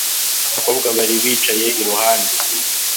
Abakobwa bari bicaye iruhande